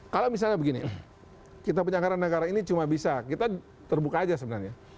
kalau misalnya begini kita penyelenggaran negara ini cuma bisa kita terbuka aja sebenarnya